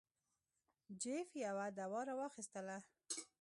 جیف یوه دوا را واخیستله.